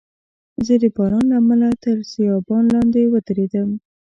زه د باران له امله تر سایبان لاندي ودریدم.